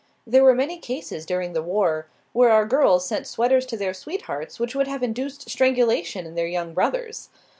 There were many cases during the war where our girls sent sweaters to their sweethearts which would have induced strangulation in their young brothers.